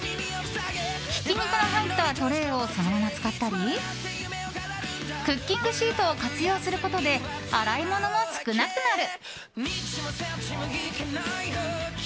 ひき肉の入ったトレーをそのまま使ったりクッキングシートを活用することで洗い物も少なくなる。